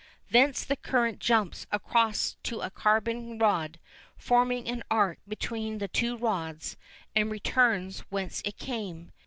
Thence the current jumps across to a carbon rod, forming an arc between the two rods, and returns whence it came.